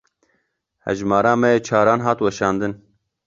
Hejmara me ya çaran hat weşandin.